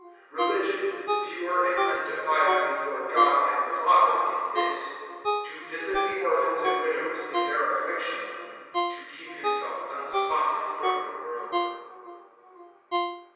(27)Religion, pure and undefiled before God and the Father, is this: To visit the orphans and widows in their affliction; to keep himself unspotted from the world.